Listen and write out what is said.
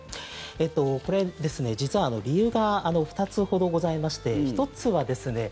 これですね実は理由が２つほどございまして１つはですね